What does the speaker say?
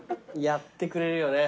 やってくれるね。